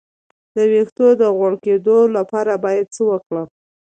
د ویښتو د غوړ کیدو لپاره باید څه وکړم؟